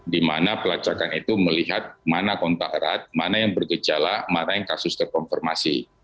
di mana pelacakan itu melihat mana kontak erat mana yang bergejala mana yang kasus terkonfirmasi